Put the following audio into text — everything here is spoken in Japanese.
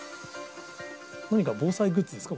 何か防災グッズですか？